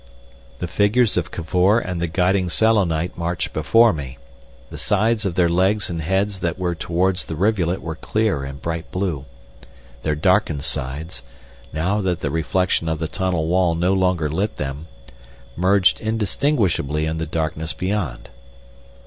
The figures of Cavor and the guiding Selenite marched before me, the sides of their legs and heads that were towards the rivulet were clear and bright blue, their darkened sides, now that the reflection of the tunnel wall no longer lit them, merged indistinguishably in the darkness beyond.